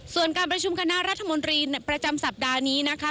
ส่วนการประชุมคณะรัฐมนตรีประจำสัปดาห์นี้นะคะ